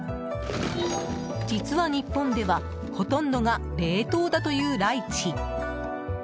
実は、日本ではほとんどが冷凍だというライチ。